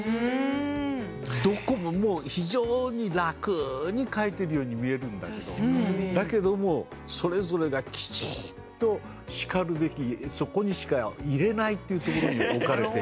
どこも非常に楽に描いてるように見えるんだけどだけどもそれぞれがきちんとしかるべきそこにしかいれないっていうところに置かれている。